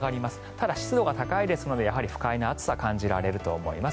ただ、湿度が高いですので不快な暑さを感じられると思います。